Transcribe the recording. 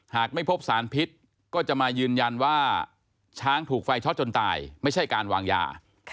หากไม่พบสารพิษก็จะมายืนยันว่าช้างถูกไฟช็อตจนตายไม่ใช่การวางยา